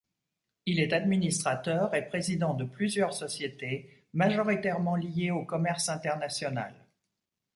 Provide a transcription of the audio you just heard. Il est administrateur et président de plusieurs sociétés, majoritairement liées au commerce international.